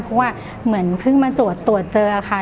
เพราะว่าเหมือนเพิ่งมาตรวจตรวจเจอค่ะ